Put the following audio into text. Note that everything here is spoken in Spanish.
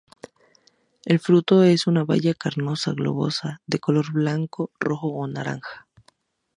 El fruto es una baya carnosa, globosa; de color blanco, rojo o naranja.